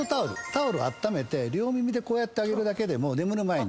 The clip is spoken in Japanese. タオルあっためて両耳こうやってあげるだけでも眠る前に。